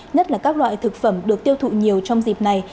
nhất là các loại thực phẩm được tiêu thụ nhiều trong dịp này